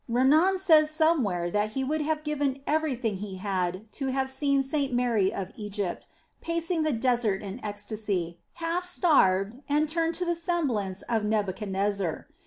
Renan says somewhere that he would have given everything he had to have seen St. Mary of Egypt pacing the desert in ecstasy, half starved and turned to the semblance of Nebuchadnezzar.